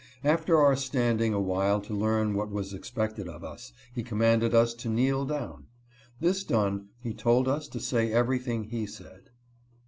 After our standing a while to learn wha* was expected of us, he commanded us to kneel down. This done, he told us to say everything he said.